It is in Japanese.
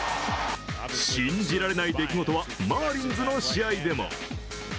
信じられない出来事はマーリンズの試合でも。